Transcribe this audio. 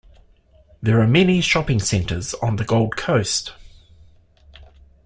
There are many shopping centres on the Gold Coast.